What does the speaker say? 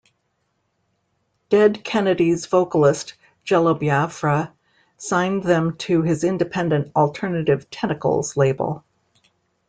Dead Kennedys vocalist Jello Biafra signed them to his independent Alternative Tentacles label.